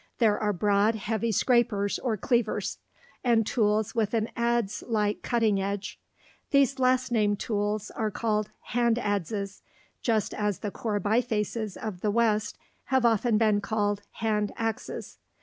There are broad, heavy scrapers or cleavers, and tools with an adze like cutting edge. These last named tools are called "hand adzes," just as the core bifaces of the west have often been called "hand axes."